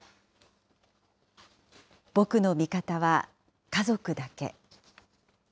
僕の味方は家族だけ。